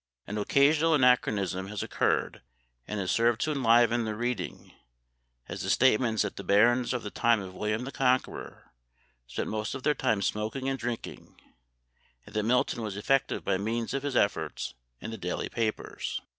An occasional anachronism has occurred, and has served to enliven the reading, as the statements that the barons of the time of William the Conqueror spent most of their time smoking and drinking, and that Milton was effective by means of his efforts in the daily papers.